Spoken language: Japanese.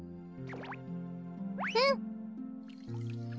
うん！